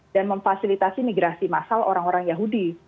dan memfasilitasi migrasi masal orang orang yahudi